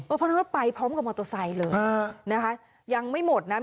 เพราะฉะนั้นว่าไปพร้อมกับมอเตอร์ไซค์เลยนะคะยังไม่หมดนะ